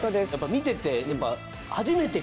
見てて。